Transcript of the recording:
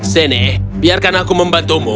seneh biarkan aku membantumu